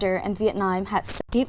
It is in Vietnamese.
đến việt nam là một cơ hội đẹp